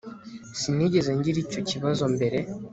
Sinigeze ngira icyo kibazo mbere